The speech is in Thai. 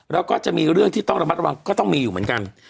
แล้วก็จะมีเรื่องที่ต้องระมัดระวังก็ต้องมีอยู่เหมือนกัน